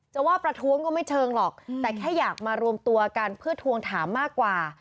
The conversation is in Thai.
จะว่าประท้วงก็ไม่เชิงหรอกแต่แค่อยากมารวมตัวกันเพื่อทวงถามมากกว่า